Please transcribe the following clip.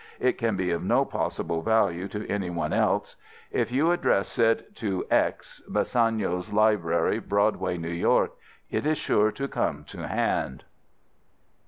It can be of no possible value to any one else. If you address it to X, Bassano's Library, Broadway, New York, it is sure to come to hand."